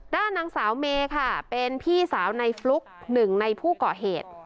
ด้านนางสาวเมค่ะเป็นพี่สาวในฟลุ๊กหนึ่งในผู้ก่อเหตุ